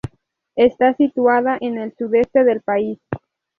Está situada en el sudeste del país.